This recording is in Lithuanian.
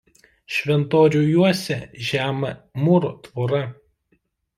Šventorių juosia žema mūro tvora.